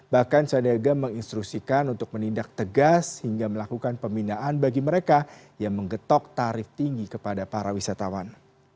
bahkan sandiaga menginstruksikan untuk menindak tegas hingga melakukan pembinaan bagi mereka yang menggetok tarif tinggi kepada para wisatawan